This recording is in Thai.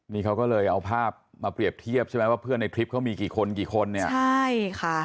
นี่เขาก็เลยเอาภาพมาเปรียบเทียบใช่ไหมว่าเพื่อนในทริปเขามีกี่คนกี่คนเนี่ยใช่ค่ะ